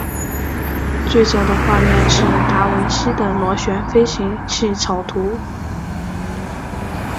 最早的画面是达文西的螺旋飞行器草图。